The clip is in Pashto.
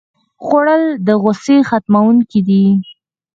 خوړل د غوسې ختموونکی دی